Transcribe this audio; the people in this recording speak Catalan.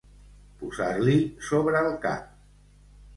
Posar-l'hi sobre el cap.